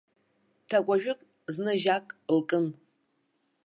Ҭакәажәык зны жьак лкын.